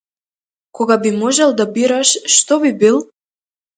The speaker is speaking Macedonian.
Кога би можел да бираш, што би бил?